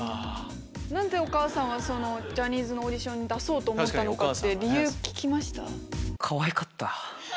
何でお母さんはジャニーズのオーディションに出そうと思ったのか理由聞きました？